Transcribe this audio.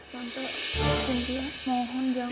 tante sintia mohon jangan